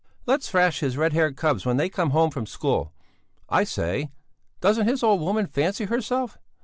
"Let's thrash his red haired cubs when they come home from school! I say! Doesn't his old woman fancy herself?